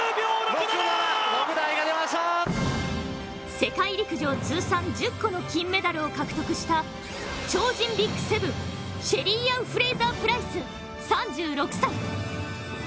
世界陸上通算１０個の金メダルを獲得した超人ＢＩＧ７、シェリーアン・フレイザープライス３６歳。